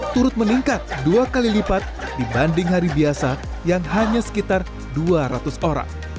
turut meningkat dua kali lipat dibanding hari biasa yang hanya sekitar dua ratus orang